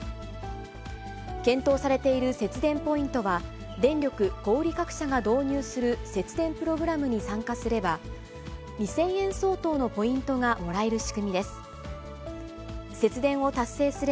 検討されている節電ポイントは、電力小売り各社が導入する節電プログラムに参加すれば、２０００円相当のポイントがもらえる仕組みです。